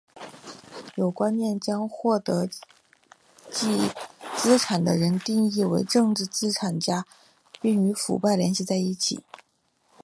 有观念将获得既得资产的人定义为政治资本家并与腐败联系在一起。